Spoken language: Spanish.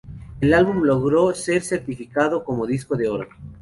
El álbum logró ser certificado como disco de oro.